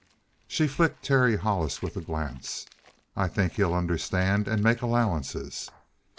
She flicked Terry Hollis with a glance. "I think he'll understand and make allowances."